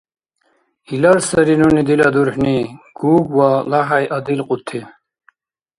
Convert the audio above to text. Илар сари нуни дила дурхӀни Гуг ва ЛахӀяй адилкьути.